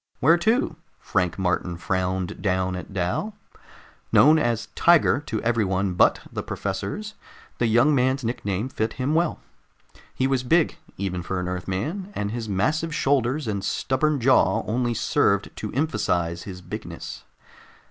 "Where to?" Frank Martin frowned down at Dal. Known as "Tiger" to everyone but the professors, the young man's nickname fit him well. He was big, even for an Earthman, and his massive shoulders and stubborn jaw only served to emphasize his bigness.